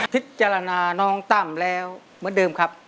พิจารณาน้องตั้มแล้วเหมือนเดิมครับ